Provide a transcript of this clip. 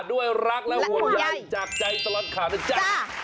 ด้วยรักและห่วงใยจากใจตลอดข่าวนะจ๊ะ